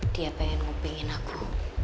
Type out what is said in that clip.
dia pengen ngupingin aku